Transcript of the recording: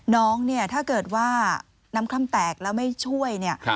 น้องเนี่ยถ้าเกิดว่าน้ำคล่ำแตกแล้วไม่ช่วยเนี่ย